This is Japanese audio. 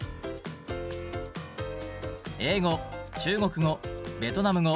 中国語ベトナム語